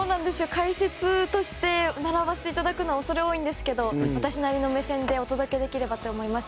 解説として学ばせていただくのは恐れ多いんですが私なりの目線でお届けできればと思います。